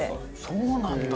そうなんだ！